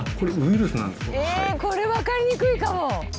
これ分かりにくいかも。